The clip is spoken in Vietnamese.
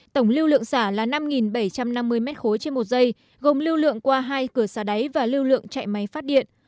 tổng lưu lượng xả là năm bảy trăm năm mươi m ba trên một giây gồm lưu lượng qua hai cửa xả đáy và lưu lượng chạy máy phát điện